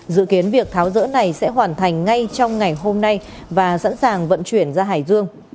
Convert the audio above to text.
dự kiến việc tháo rỡ này sẽ hoàn thành ngay trong ngày hôm nay và sẵn sàng vận chuyển ra hải dương